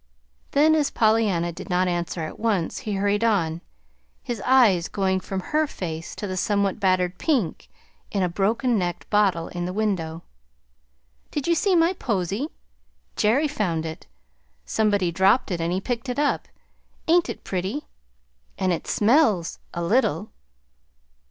Then, as Pollyanna did not answer at once, he hurried on, his eyes going from her face to the somewhat battered pink in a broken necked bottle in the window. "Did you see my posy? Jerry found it. Somebody dropped it and he picked it up. Ain't it pretty? And it SMELLS a little."